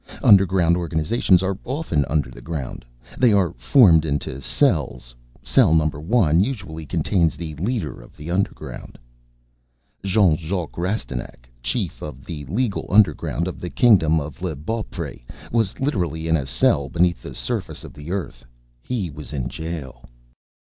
Underground organizations are often under the ground. They are formed into cells. Cell Number One usually contains the leader of the underground. Jean Jacques Rastignac, chief of the Legal Underground of the Kingdom of L'Bawpfey, was literally in a cell beneath the surface of the earth. He was in jail.